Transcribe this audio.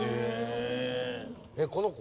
この子？